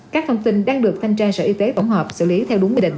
các thông tin đang được thanh tra sở y tế tổng hợp xử lý theo đúng quy định